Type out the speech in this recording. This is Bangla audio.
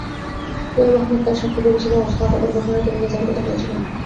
শোয়েব আহমেদ তাঁর সাক্ষ্যে বলেছিলেন, অস্ত্র আটকের ঘটনা তিনি নিজামীকে জানিয়েছিলেন।